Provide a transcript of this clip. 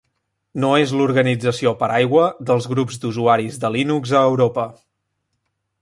No és l'organització paraigua dels Grups d'Usuaris de Linux a Europa.